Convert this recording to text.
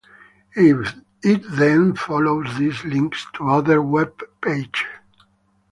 It then follows these links to other web pages.